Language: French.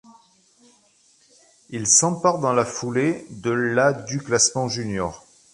Il s'empare dans la foulée de la du classement junior.